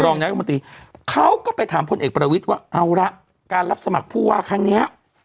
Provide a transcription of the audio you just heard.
นายรัฐมนตรีเขาก็ไปถามพลเอกประวิทย์ว่าเอาละการรับสมัครผู้ว่าครั้งนี้